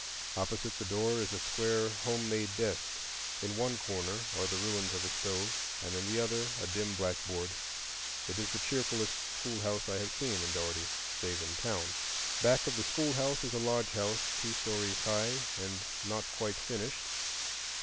Opposite the door is a square home made desk. In one corner are the ruins of a stove, and in the other a dim blackboard. It is the cheerfulest schoolhouse I have seen in Dougherty, save in town. Back of the schoolhouse is a lodgehouse two stories high and not quite finished.